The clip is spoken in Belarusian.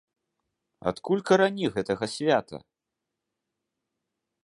Адкуль карані гэтага свята?